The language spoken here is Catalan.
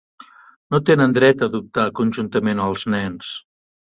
No tenen dret a adoptar conjuntament als nens.